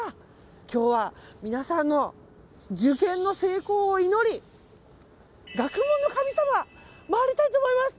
今日は皆さんの受験の成功を祈り学問の神様、回りたいと思います。